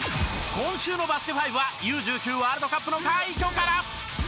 今週の『バスケ☆ＦＩＶＥ』はＵ１９ワールドカップの快挙から！